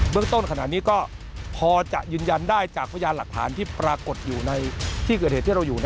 เมืองต้นขนาดนี้ก็พอจะยืนยันได้จากพยานหลักฐานที่ปรากฏอยู่ในที่เกิดเหตุที่เราอยู่